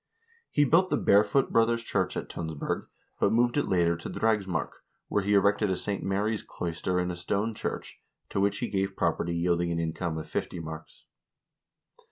He built the Barefoot brothers' church at Tunsberg, but moved it later to Dragsmark, where he erected a St. Mary's cloister and a stone church, to which he gave property yielding an income of fifty marks.